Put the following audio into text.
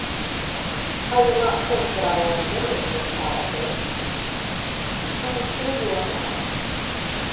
"I do not think that I am ungenerous, Miss Palliser." "I am sure you are not."